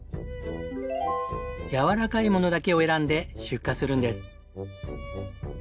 やわらかいものだけを選んで出荷するんです。